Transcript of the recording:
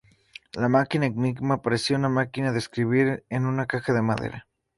La máquina Enigma parecía una máquina de escribir en una caja de madera.